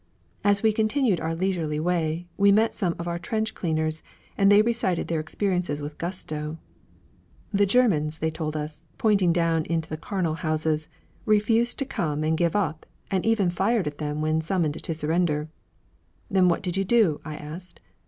As we continued our leisurely way, we met some of our trench cleaners, and they recited their experiences with gusto. The Germans, they told us, pointing down into the charnel houses, refused to come and give up, and even fired at them when summoned to surrender. 'Then what did you do?' I asked.